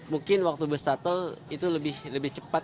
mungkin waktu bus shuttle itu lebih cepat